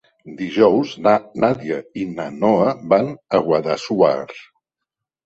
Dijous na Nàdia i na Noa van a Guadassuar.